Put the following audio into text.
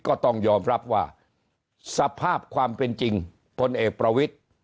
ก็ต้องยอมรับว่าสภาพความเป็นจริงพลเอกประวิทธิ์